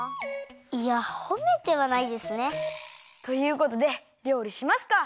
いやほめてはないですね。ということでりょうりしますか。